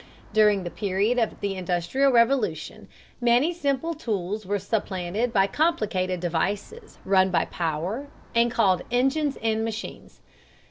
During the period of the Industrial Revolution many simple tools were supplanted by complicated devices run by power and called engines and machines.